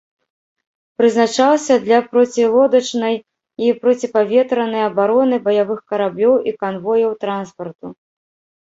Прызначаўся для процілодачнай і проціпаветранай абароны баявых караблёў і канвояў транспарту.